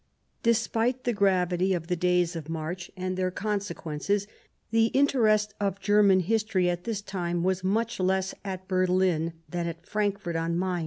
Despite the gravity of the days of March and their consequences, the interest of German history at this time was much less at BcrHn than at Frank fort on Main.